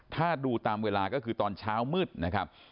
ถ้าดูตามเวลาก็คือตอนเช้ามืดนะครับ